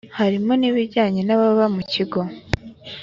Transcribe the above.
harimo n’ibijyanye n’ababa mu kigo